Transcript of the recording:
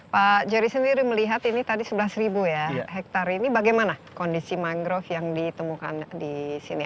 pak jerry sendiri melihat ini tadi sebelas ribu ya hektare ini bagaimana kondisi mangrove yang ditemukan di sini